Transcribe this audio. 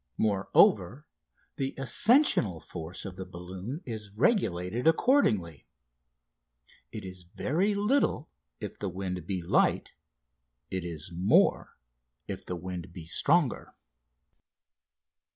Moreover, the ascensional force of the balloon is regulated accordingly: it is very little if the wind be light; it is more if the wind be stronger.